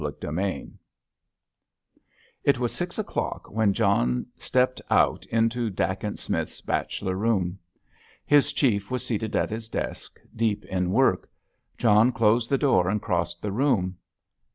CHAPTER XX It was six o'clock when John stepped out into Dacent Smith's bachelor room. His Chief was seated at his desk, deep in work. John closed the door and crossed the room.